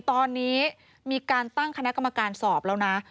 ตอนนี้มีการตั้งคณะกรรมการสอบแล้วนะ